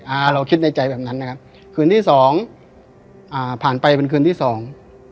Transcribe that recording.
อ่าเราคิดในใจแบบนั้นนะครับคืนที่สองอ่าผ่านไปเป็นคืนที่สอง